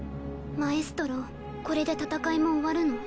マエストロこれで戦いも終わるの？